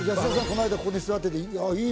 この間ここに座ってて「いやあいいな」